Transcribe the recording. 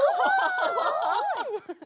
すごい！